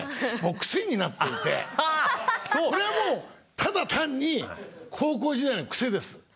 クセになっていてこれはもうただ単に高校時代のクセです。